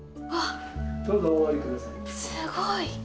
わ、すごい。